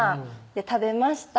食べました